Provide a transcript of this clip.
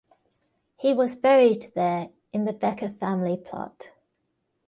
He was buried there in the Becker family plot.